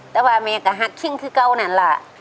แต่ว่าแม่ก็หักคิงคือเก่านั่นแหละ